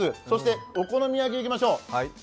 そしてお好み焼き、いきましょう。